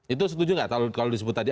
itu setuju nggak kalau disebut tadi